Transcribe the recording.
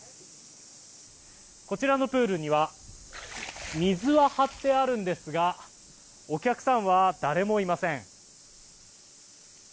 こちらのプールには水は張ってあるんですがお客さんは誰もいません。